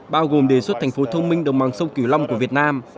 bao gồm đề xuất thành phố thông minh đồng bằng sông cửu long của việt nam